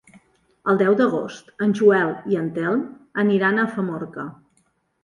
El deu d'agost en Joel i en Telm aniran a Famorca.